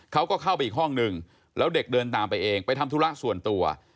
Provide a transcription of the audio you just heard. เขาก็เข้าไปอีกห้องนึงแล้วเด็กเดินตามไปเองไปทำธุระส่วนตัว